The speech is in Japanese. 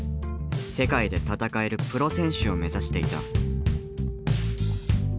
世界で闘えるプロ選手を目指していた。